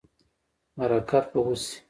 برکت به وشي